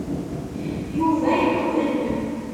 Yuba yeqbel.